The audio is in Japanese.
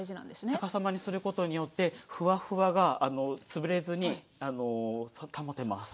逆さまにすることによってふわふわが潰れずに保てます。